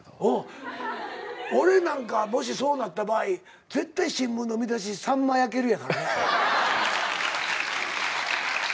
俺なんかはもしそうなった場合絶対新聞の見出し「さんま焼ける」やからね。